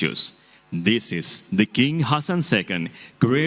untuk mengambil pemandangan lain